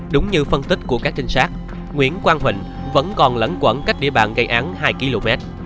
đúng như phân tích của các trinh sát nguyễn quang huỳnh vẫn còn lẫn quẩn cách địa bàn gây án hai km